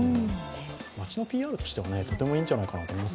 街のＰＲとしても、とてもいいんじゃないかと思います。